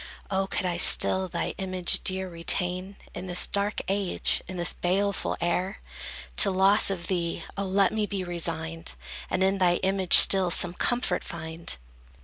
O could I still thy image dear retain, In this dark age, and in this baleful air! To loss of thee, O let me be resigned, And in thy image still some comfort find!